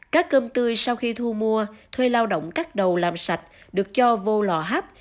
cá cơm tươi sau khi thu mua thuê lao động cắt đầu làm sạch được cho vô lò hấp